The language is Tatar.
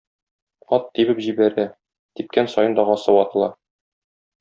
Ат тибеп җибәрә, типкән саен дагасы ватыла.